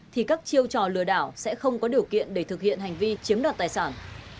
thì các chiêu trò lừa đảo sẽ không có điều kiện để thực hiện hành vi chiếm đoạt tài sản